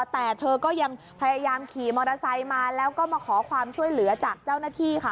แต่เธอก็ยังพยายามขี่มอเตอร์ไซค์มาแล้วก็มาขอความช่วยเหลือจากเจ้าหน้าที่ค่ะ